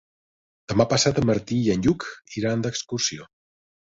Demà passat en Martí i en Lluc iran d'excursió.